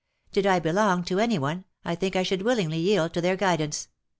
Did I belong to any one, I think I should willingly yield to their guidance.